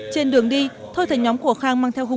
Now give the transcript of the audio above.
trên đường đi thôi thầy nhóm của khang mang theo thôi